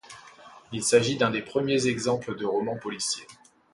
Il s'agit d'un des premiers exemples de roman policier.